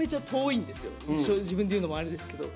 自分で言うのもあれですけど。